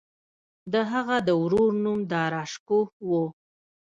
د هغه د ورور نوم داراشکوه و.